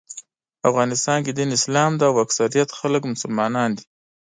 افغانستان کې دین اسلام دی او اکثریت خلک مسلمانان دي.